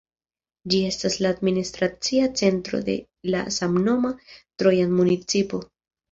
Ĝi estas la administracia centro de la samnoma Trojan Municipo.